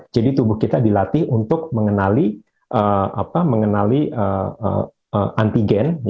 jadi tubuh kita dilatih untuk mengenali antigen